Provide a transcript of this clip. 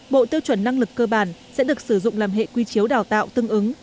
bộ tiêu chuẩn năng lực cơ bản sẽ được sử dụng làm hệ quy chiếu đào tạo tương ứng